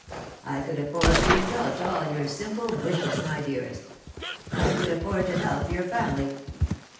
I could afford to indulge all your simple wishes, my dearest ! I could afford to help your family